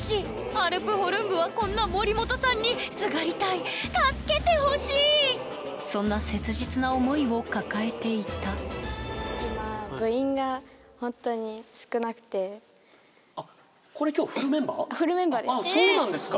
アルプホルン部はこんな森本さんにすがりたい助けてほしいそんな切実な思いを抱えていたあそうなんですか？